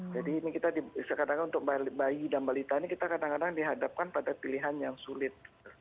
jadi ini kita di sekadang untuk bayi dan balita ini kita kadang kadang dihadapkan pada pilihan yang sulit